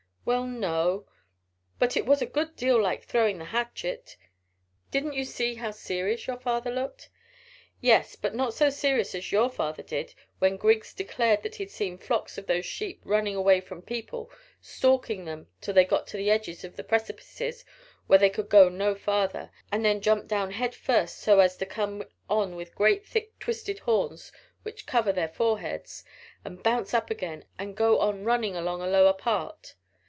"Well, no; but it was a good deal like throwing the hatchet. Didn't you see how serious your father looked?" "Yes, but not so serious as your father did when Griggs declared that he'd seen flocks of those sheep running away from people stalking them till they got to the edges of the precipices where they could go no farther; and then jump down head first so as to come on the great thick twisted horns which cover their foreheads, and bounce up again, and go on running along a lower part."